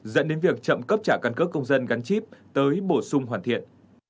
dẫn đến việc chậm cấp trả căn cước công dân gắn chip tới bổ sung hoàn thiện